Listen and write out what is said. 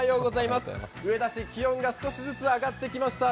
上田市、気温が少しずつ上がってきました。